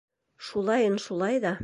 Шулайын шулай ҙа...